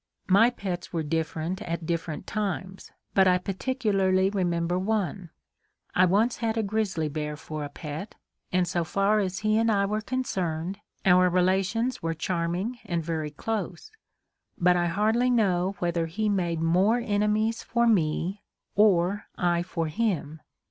My pets were different at different times, but I particularly remember one. I once had a grizzly bear for a pet, and so far as he and I were concerned, our relations were charming and very close. But I hardly know whether he made more enemies for me or I for him.